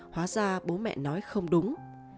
hóa ra bố mẹ nói không đúng